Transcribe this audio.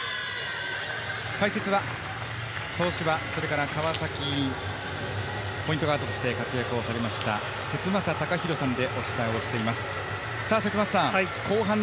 解説は東芝、それから川崎、ポイントガードとして活躍されました、節政貴弘さんです。